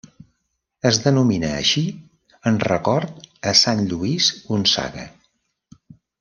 Es denomina així en record a Sant Lluís Gonzaga.